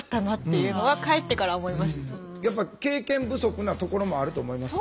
やっぱ経験不足なところもあると思いますよ。